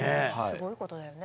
すごいことだよね。